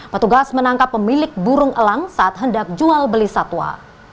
petugas menangkap pemilik burung elang saat hendak jual beli satwa